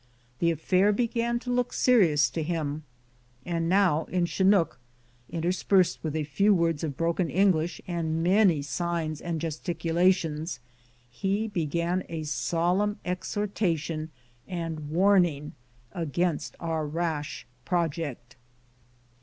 The affair began to look serious to him, and now in Chinook, interspersed with a few words of broken English and many signs and gesticulations, he began a solemn ex hortation and warning against our rash project.